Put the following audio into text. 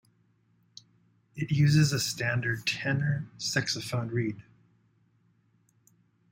It uses a standard tenor saxophone reed.